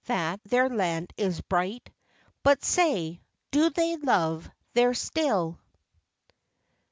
that their land is bright, But say, do they love there still